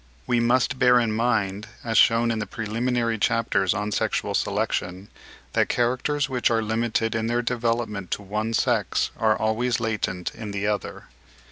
We must bear in mind, as shewn in the preliminary chapter on sexual selection, that characters which are limited in their development to one sex are always latent in the other.